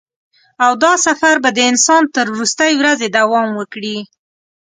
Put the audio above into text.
او دا سفر به د انسان تر وروستۍ ورځې دوام وکړي.